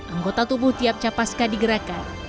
anggota tubuh tiap capa ska digerakkan